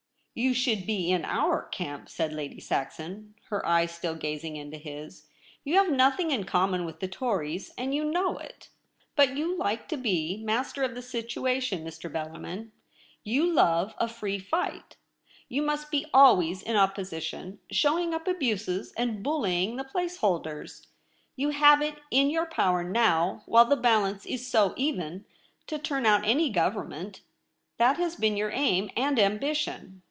'You should be in 02ir camp,' said Lady Saxon, her eyes still gazing into his ;* you have nothing in common with the Tories, and 14 THE REBEL ROSE. you know it. But you like to be master of the situation, Mr. Bellarmin. You love a free fight. You must be always in opposition, showing up abuses and bullying the place holders. You have it in your power now, while the balance is so even, to turn out any Government. That has been your aim and ambition.